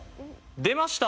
出ました。